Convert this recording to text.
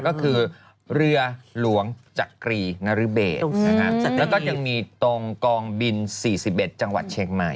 ก็คือเรือหลวงจักรีนรเบศแล้วก็ยังมีตรงกองบิน๔๑จังหวัดเชียงใหม่